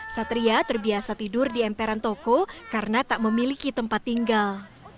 satria terbiasa tidur di emperan toko karena tak memiliki tempat tinggal